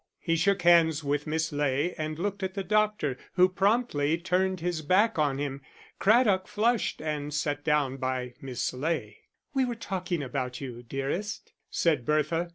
He shook hands with Miss Ley and looked at the doctor, who promptly turned his back on him. Craddock flushed, and sat down by Miss Ley. "We were talking about you, dearest," said Bertha.